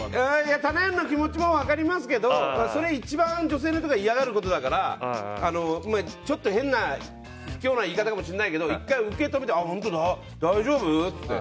たなやんの気持ちも分かりますけどそれ、一番女性の人が嫌がることだからちょっと変な卑怯な言い方かもしれないけど１回受け止めて本当だ、大丈夫？って。